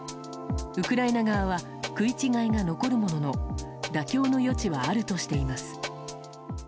ウクライナ側は食い違いが残るものの妥協の余地はあるとしています。